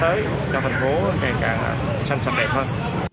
cho thành phố ngày càng xanh xanh đẹp hơn